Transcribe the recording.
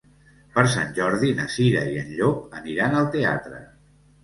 Per Sant Jordi na Cira i en Llop aniran al teatre.